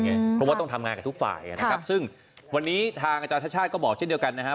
เพราะว่าต้องทำงานกับทุกฝ่ายนะครับซึ่งวันนี้ทางอาจารย์ชาติชาติก็บอกเช่นเดียวกันนะฮะ